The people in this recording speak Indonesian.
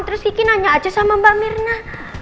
terus vicky nanya aja sama mbak mirna